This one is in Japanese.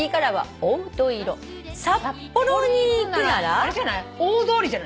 あれじゃない？